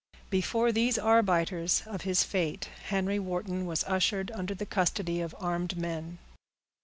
Before these arbiters of his fate Henry Wharton was ushered under the custody of armed men.